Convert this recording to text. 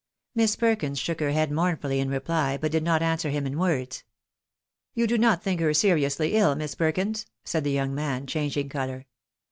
Miss Perkins shook her head mournfully in reply, but did not answer him in words. " You do not think her seriously ill, Miss Perkins?" said the young man, changing colour.